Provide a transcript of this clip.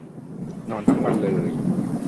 นอนทั้งวันเลย